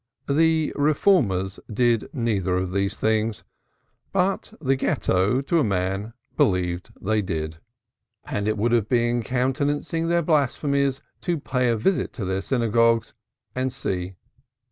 The Reformers did neither of these things, but the Ghetto to a man believed they did, and it would have been countenancing their blasphemies to pay a visit to their synagogues and see.